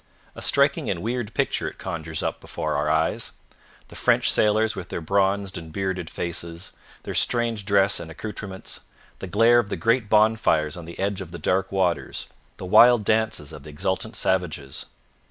A striking and weird picture it conjures up before our eyes, the French sailors with their bronzed and bearded faces, their strange dress and accoutrements, the glare of the great bonfires on the edge of the dark waters, the wild dances of the exultant savages.